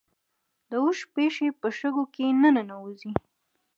د اوښ پښې په شګو کې نه ننوځي